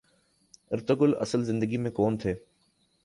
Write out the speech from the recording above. Ertugrul اصل زندگی میں کون تھے